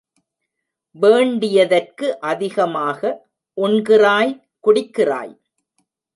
வேண்டியதற்கு அதிகமாக உண்கிறாய், குடிக்கிறாய்.